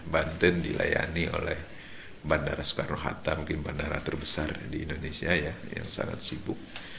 banten dilayani oleh bandara soekarno hatta mungkin bandara terbesar di indonesia ya yang sangat sibuk